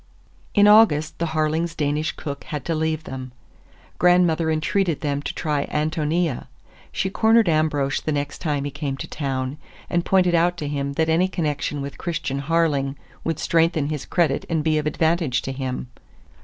In August the Harlings' Danish cook had to leave them. Grandmother entreated them to try Ántonia. She cornered Ambrosch the next time he came to town, and pointed out to him that any connection with Christian Harling would strengthen his credit and be of advantage to him.